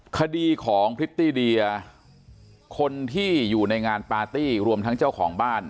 คดีของพริตตี้เดียคนที่อยู่ในงานปาร์ตี้รวมทั้งเจ้าของบ้าน